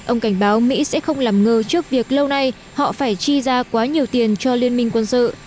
ông cảnh báo mỹ sẽ không làm ngờ trước việc lâu nay họ phải chi ra quá nhiều tiền cho liên minh quân sự